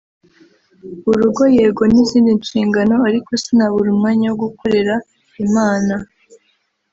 urugo yego ni izindi nshingano ariko sinabura umwanya wo gukorera Imana